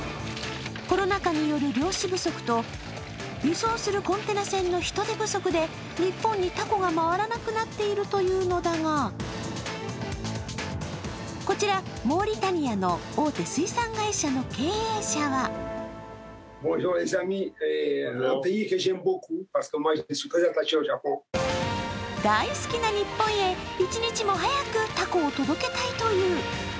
コロナ禍による漁師不足と輸送するコンテナ船不足で日本に、たこが回らなくなっているというのだが、こちら、モーリタニアの大手水産会社の経営者は大好きな日本へ一日も早くたこを届けたいという。